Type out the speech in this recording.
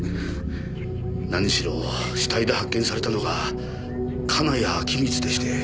何しろ死体で発見されたのが金谷陽充でして。